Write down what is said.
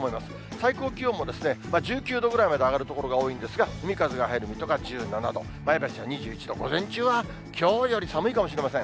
最高気温も１９度ぐらいまで上がる所が多いんですが、海風が入る水戸が１７度、前橋は２１度、午前中はきょうより寒いかもしれません。